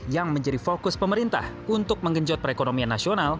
yang menjadi fokus pemerintah untuk menggenjot perekonomian nasional